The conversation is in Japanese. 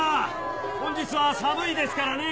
本日は寒いですからねぇ！